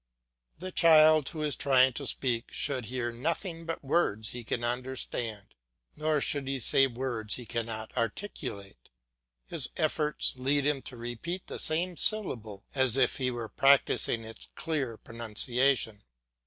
The child who is trying to speak should hear nothing but words he can understand, nor should he say words he cannot articulate; his efforts lead him to repeat the same syllable as if he were practising its clear pronunciation.